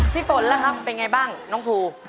ฝนล่ะครับเป็นไงบ้างน้องภู